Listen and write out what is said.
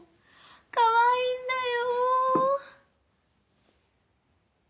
かわいいんだよ。